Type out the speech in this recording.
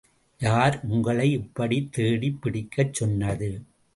யார் உங்களை இப்படித் தேடிப்பிடிக்கச் சொன்னது?